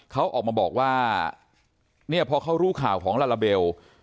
เขาออกมาบอกว่าเนี่ยพอเขารู้ข่าวของลาลาเบล